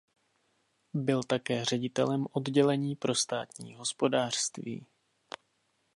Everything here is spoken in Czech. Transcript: Byl také ředitelem oddělení pro státní hospodářství.